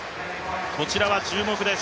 こちらは注目です。